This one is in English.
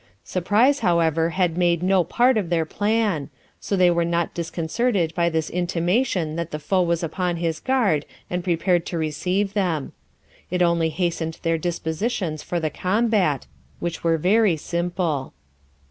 Surprise, however, had made no part of their plan, so they were not disconcerted by this intimation that the foe was upon his guard and prepared to receive them. It only hastened their dispositions for the combat, which were very simple.